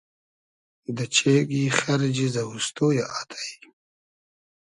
دۂ چېگی خئرجی زئووستۉ یۂ آتݷ